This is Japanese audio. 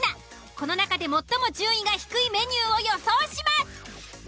この中で最も順位が低いメニューを予想します。